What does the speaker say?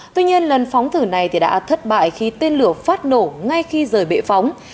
tuy nhiên lần phóng thử này đã thất bại khi tên lửa phát nổ ngay khi rời bệ phóng